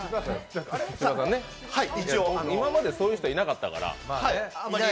今までそういう人はいなかったから。